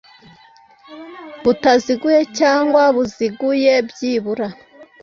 butaziguye cyangwa buziguye byibura